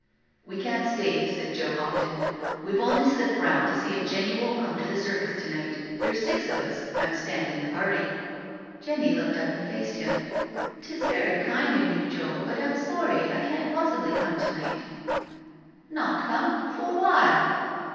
"We can't stay," said Joe Hopton; "we've only slipt round to see if Jenny won't come to the Circus to Dig; ht— there's sfx of us, I'm $t^ndin' the party/' JENNY'S CALL 63 Jenny looked up and faced him, '* Tis very kind in you, Joe, but Tm sorry, I can't possibly come to night/' •• Not come, for why?"